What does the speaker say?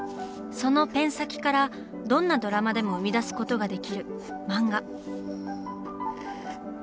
そのペン先からどんなドラマでも生み出すことができる「漫画」。